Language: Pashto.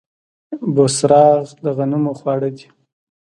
بوسراغ د غنمو خواړه دي.